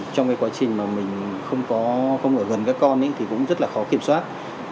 trong cái quá trình mà mình không ở gần các con thì cũng rất là khó kiểm soát